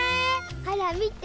ほらみて。